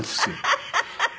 ハハハハ！